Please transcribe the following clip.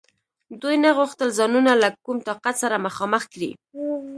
دوی نه غوښتل ځانونه له کوم طاقت سره مخامخ کړي.